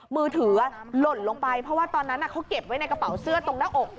มือถือหล่นลงไปเพราะว่าตอนนั้นเขาเก็บไว้ในกระเป๋าเสื้อตรงหน้าอก